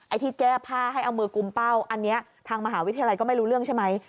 ที่แก้ผ้าให้เอามือกุมเป้าอันนี้ทางมหาวิทยาลัยก็ไม่รู้เรื่องใช่ไหม